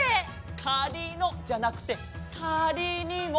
「かりの」じゃなくて「かりにも」。